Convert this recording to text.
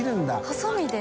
ハサミで？